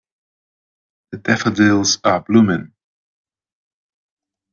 The daffodils are blooming.